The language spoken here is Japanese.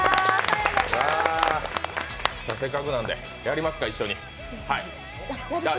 せっかくなのでやりますか、一緒に。